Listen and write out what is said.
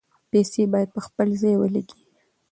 پیسې باید په خپل ځای ولګیږي.